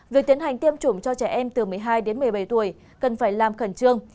việc tiến hành tiêm chủng cho trẻ em từ một mươi hai đến một mươi bảy tuổi cần phải làm khẩn trương